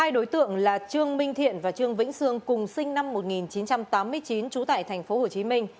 đối tượng là trương minh thiện và trương vĩnh sương cùng sinh năm một nghìn chín trăm tám mươi chín trú tại tp hcm